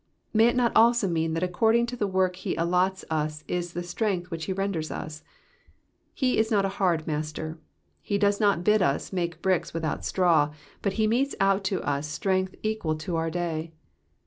May it not also mean that according to the work he allots us is the strength which he renders to us ? he is not a hard master ; he does not bid us make bricks without straw, but he metes out to us strength equal to our day.